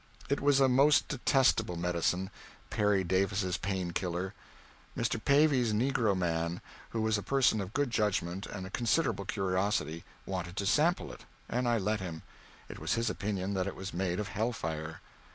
It was a most detestable medicine, Perry Davis's Pain Killer. Mr. Pavey's negro man, who was a person of good judgment and considerable curiosity, wanted to sample it, and I let him. It was his opinion that it was made of hell fire.